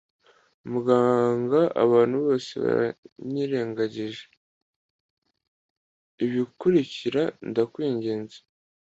"Muganga, abantu bose baranyirengagije." "Ibikurikira, ndakwinginze."